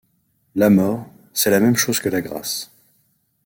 La mort, c’est la même chose que la grâce.